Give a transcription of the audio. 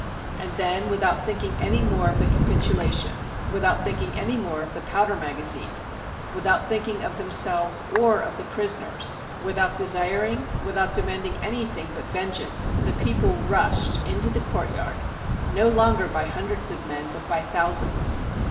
And then, without thinking any more of the capitu lation, without thinking any more of the powder maga zine, without thinking of themselves or of the prisoners, without desiring, without demanding anything but ven geance, the people rushed into the courtyard, no longer by hundreds of men, but by thousands.